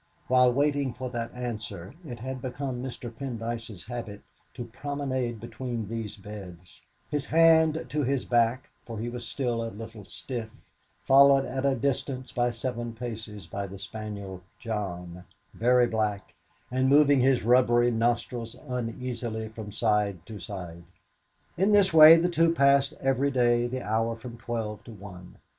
While waiting for that answer, it had become Mr. Pendyce's habit to promenade between these beds, his hand to his back, for he was still a little stiff, followed at a distance of seven paces by the spaniel John, very black, and moving his rubbery nostrils uneasily from side to side. In this way the two passed every day the hour from twelve to one.